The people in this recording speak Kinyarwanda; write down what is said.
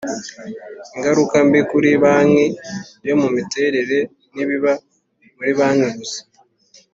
Ingaruka mbi kuri banki iyo miterere n ibiba muri banki gusa